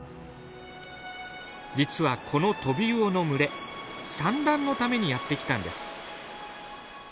実はこのトビウオの群れ産卵のためにやって来たんです。